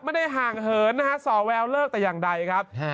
ไม่ได้ห่างเหินนะฮะส่อแววเลิกแต่อย่างใดครับ